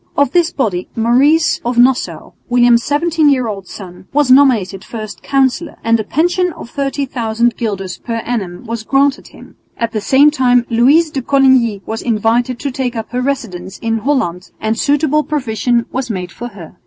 Of this body Maurice of Nassau, William's seventeen year old son, was nominated first Councillor, and a pension of 30,000 guilders per annum was granted him. At the same time Louise de Coligny was invited to take up her residence in Holland and suitable provision was made for her.